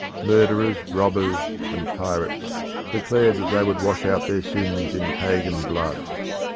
Murderers, robbers, and pirates declared that they would wash out their sins in pagan blood.